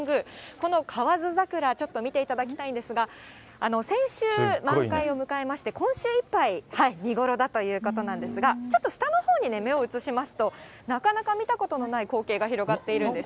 この河津桜、ちょっと見ていただきたいんですが、先週満開を迎えまして、今週いっぱい見頃だということなんですが、ちょっと下のほうに目を移しますと、なかなか見たことのない光景が広がっているんです。